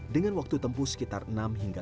dengan waktu tempuh sekitar enam hingga